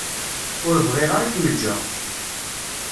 Ur bɣiɣ ara ad kem-ǧǧeɣ.